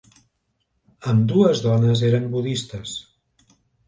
Ambdues dones eren budistes.